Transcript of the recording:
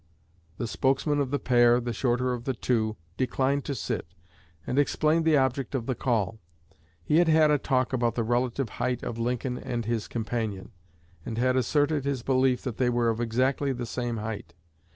The spokesman of the pair, the shorter of the two, declined to sit, and explained the object of the call. He had had a talk about the relative height of Lincoln and his companion, and had asserted his belief that they were of exactly the same height.